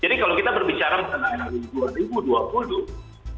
jadi kalau kita berbicara mengenai dua ribu dua puluh